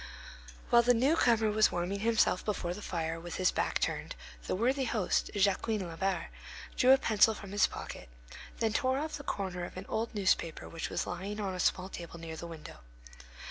While the newcomer was warming himself before the fire, with his back turned, the worthy host, Jacquin Labarre, drew a pencil from his pocket, then tore off the corner of an old newspaper which was lying on a small table near the window.